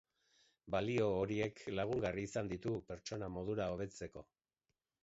Balio horiek lagungarri izan ditu pertsona modura hobetzeko.